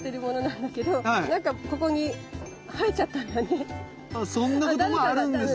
これそんなこともあるんですね。